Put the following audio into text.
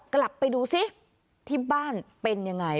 กลับไปดูซิที่บ้านเป็นยังไง